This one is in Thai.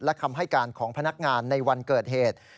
และคำให้การของพนักงานในวันเกิดเหตุ